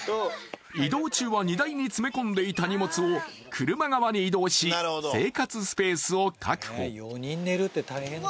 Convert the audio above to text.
移動中は荷台に詰め込んでいた荷物を車側に移動し生活スペースを確保